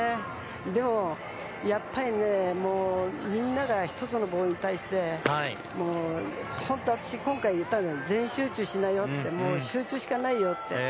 でも、やっぱりね、みんなが１つのボールに対して、もう本当、私、今回、言ったんですよ、全集中しなよって、集中しかないよって。